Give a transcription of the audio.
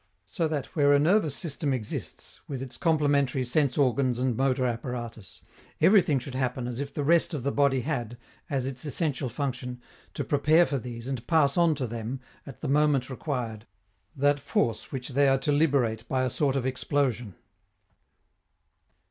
So that where a nervous system exists, with its complementary sense organs and motor apparatus, everything should happen as if the rest of the body had, as its essential function, to prepare for these and pass on to them, at the moment required, that force which they are to liberate by a sort of explosion.